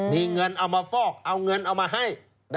มีเงินเอามาฟอกเอาเงินเอามาให้